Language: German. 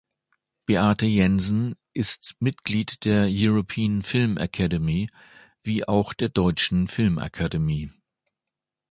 Beate Jensen ist Mitglied der European Film Academy wie auch der Deutschen Filmakademie.